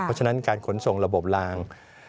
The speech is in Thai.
เพราะฉะนั้นการขนส่งระบบลาง